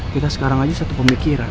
kita sekarang aja satu pemikiran